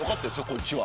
こっちは。